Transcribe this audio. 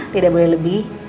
tidak boleh lebih